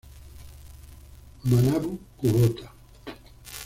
Manabu Kubota